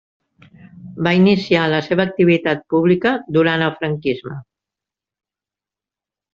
Va iniciar la seva activitat pública durant el franquisme.